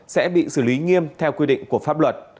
sẽ bị xử lý nghiêm theo quy định của pháp luật